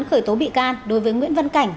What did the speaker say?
khởi tố bị can đối với nguyễn văn cảnh